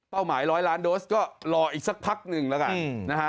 หมายร้อยล้านโดสก็รออีกสักพักหนึ่งแล้วกันนะฮะ